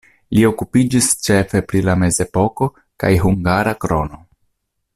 Li okupiĝis ĉefe pri la mezepoko kaj hungara krono.